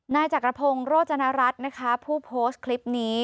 นายจักรพงศ์โรจนรัฐนะคะผู้โพสต์คลิปนี้